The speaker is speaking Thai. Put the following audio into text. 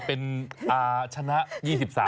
เป็นอาชนะ๒๓ได้ไหมครับ